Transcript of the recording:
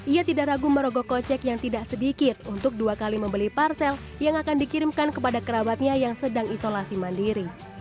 ia tidak ragu merogoh kocek yang tidak sedikit untuk dua kali membeli parsel yang akan dikirimkan kepada kerabatnya yang sedang isolasi mandiri